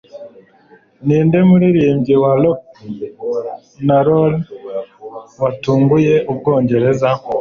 Ninde muririmbyi wa Rock N Roll watunguye Ubwongereza